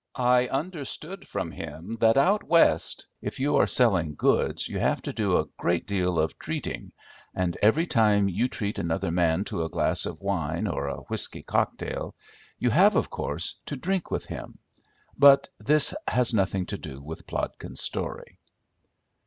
I understood from him that out West, if you are selling goods you have to do a great deal of treating, and every time you treat another man to a glass of wine, or a whiskey cocktail, you have, of course, to drink with him. But this has nothing to do with Plodkins' story.